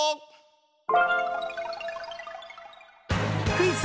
クイズ